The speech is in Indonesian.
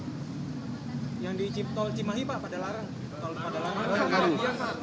yang di tol cimahi pak pada larang